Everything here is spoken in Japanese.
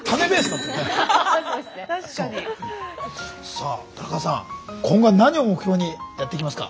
さあ田中さん今後は何を目標にやっていきますか。